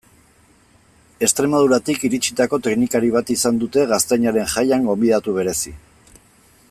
Extremaduratik iritsitako teknikari bat izan dute Gaztainaren Jaian gonbidatu berezi.